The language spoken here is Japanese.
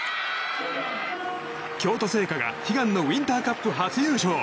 京都精華が悲願のウインターカップ初優勝！